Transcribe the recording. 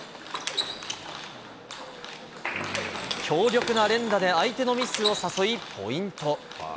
強力な連打で相手のミスを誘い、ポイント。